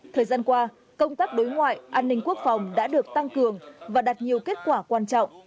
thời gian qua công tác đối ngoại an ninh quốc phòng đã được tăng cường và đạt nhiều kết quả quan trọng